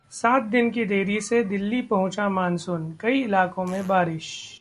सात दिन की देरी से दिल्ली पहुंचा मानसून, कई इलाकों में बारिश